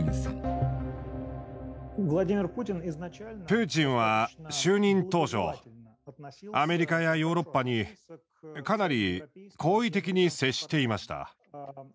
プーチンは就任当初アメリカやヨーロッパにかなり好意的に接していました。